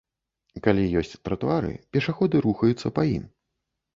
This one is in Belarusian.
Калі ёсць тратуары, пешаходы рухаюцца па ім.